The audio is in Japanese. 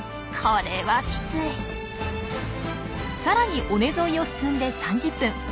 さらに尾根沿いを進んで３０分。